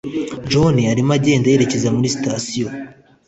john arimo agenda yerekeza kuri sitasiyo.